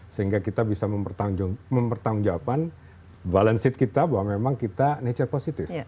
sehingga kita bisa mempertanggung jawaban balance sheet kita bahwa memang kita nature positive